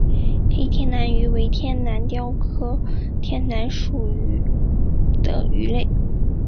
黑天竺鱼为天竺鲷科天竺鱼属的鱼类。